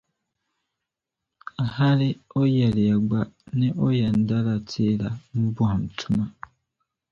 Hali o yɛliya gba ni o yɛn dala teela m-bɔhim tuma.